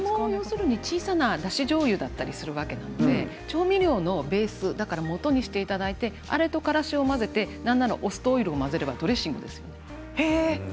小さなだしじょうゆだったりするわけなので調味料のベースもとにしていただいてあれとからしを混ぜてお酢とオイルを混ぜればドレッシングになります。